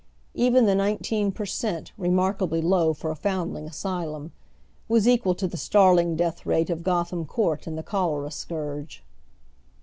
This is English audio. Even the nineteen per cent., remarkably low for a Foundling Asylum, was equal to the startling death rate of Gotham Court in the cholera scourge.